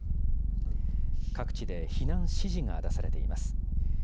各地で避難指示が出されています。